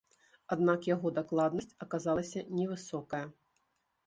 Аднак яго дакладнасць аказалася невысокая.